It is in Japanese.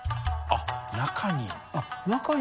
△中に。